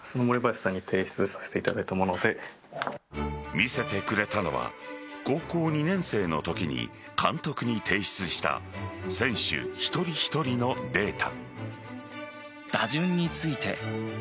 見せてくれたのは高校２年生のときに監督に提出した選手一人一人のデータ。